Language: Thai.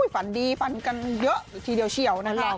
ฝันดีฝันกันเยอะทีเดียวเชี่ยวนะคะ